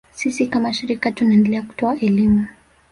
Sisi kama shirika tunaendelea kutoa elimu